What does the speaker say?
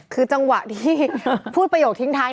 คือจังหวะที่พูดประโยคทิ้งท้าย